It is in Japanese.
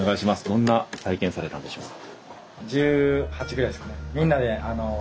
どんな体験されたんでしょうか。